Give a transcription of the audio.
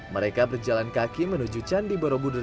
mereka berjalan kaki menuju candi borobudur